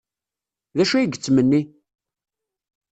D acu ay yettmenni?